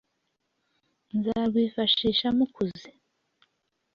nzarwifashisha mukuze.